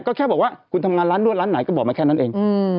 ก็แค่บอกว่าคุณทำงานร้านนวดร้านไหนก็บอกมาแค่นั้นเอง